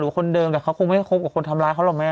คนเดิมแต่เขาคงไม่คบกับคนทำร้ายเขาหรอกแม่